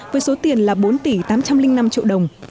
với số tiền là bốn tỷ tám trăm linh năm triệu đồng